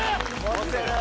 持ってる。